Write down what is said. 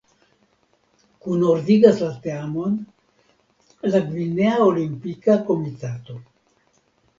Kunordigas la teamon la Gvinea Olimpika Komitato.